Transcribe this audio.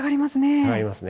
下がりますね。